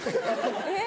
えっ？